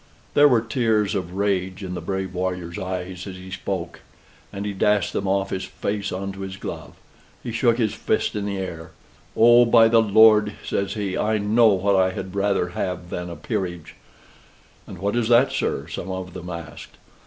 There were tears of rage in the brave warrior's eyes as he spoke; and he dashed them off his face on to his glove. He shook his fist in the air. "Oh, by the Lord!" says he, "I know what I had rather have than a peerage!" "And what is that, sir?" some of them asked.